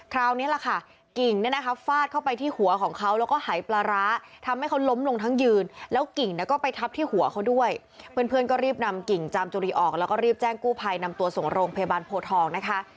คราวนี้แหละค่ะกิ่งเนี่ยนะคะฟาดเข้าไปที่หัวของเขาแล้วก็หายปลาร้าทำให้เขาล้มลงทั้งยืนแล้วกิ่งเนี่ยก็ไปทับที่หัวเขาด้วยเพื่อนก็รีบนำกิ่งจามจุรีออกแล้วก็รีบแจ้งกู้ภัยนำตัวส่งโรงพยาบาลโพทองนะคะ